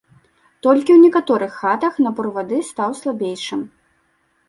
Толькі ў некаторых хатах напор вады стаў слабейшым.